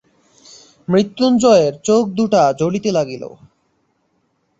মৃত্যুঞ্জয়ের চোখ দুটা জ্বলিতে লাগিল।